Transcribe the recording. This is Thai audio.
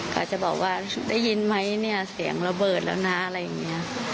เขาจะบอกว่าได้ยินไหมเนี่ยเสียงระเบิดแล้วนะอะไรอย่างนี้